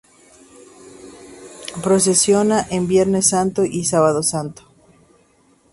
Procesiona en Viernes Santo y Sábado Santo.